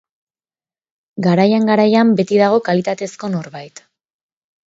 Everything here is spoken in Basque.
Garaian-garaian beti dago kalitatezko norbait.